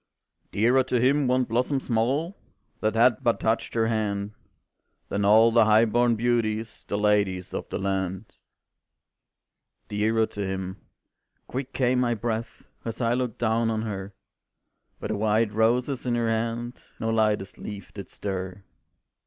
"Dearer to him one blossom small That had but touched her hand, Than all the high born beauties The ladies of the land. "Dearer to him," quick came my breath As I looked down on her, But the white roses in her hand No lightest leaf did stir.